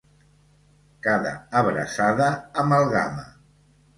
Cada abraçada, amalgama.